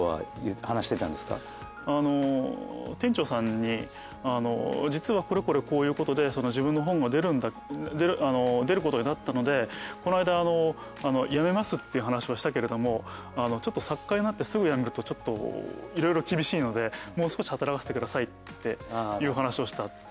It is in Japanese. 店長さんに実はこれこれこういうことで自分の本が出ることになったのでこの間辞めますっていう話はしたけれども作家になってすぐ辞めるとちょっと色々厳しいのでもう少し働かせてくださいっていう話をした。